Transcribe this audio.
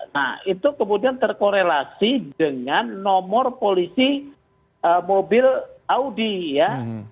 nah itu kemudian terkorelasi dengan nomor polisi mobil audi ya